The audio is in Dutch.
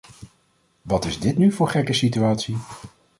Wat is dit nu voor gekke situatie?